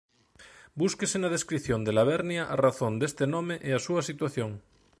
Búsquese na descrición de Lavernia a razón deste nome e a súa situación.